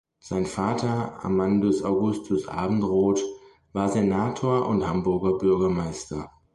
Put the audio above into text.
Sein Vater Amandus Augustus Abendroth war Senator und Hamburger Bürgermeister.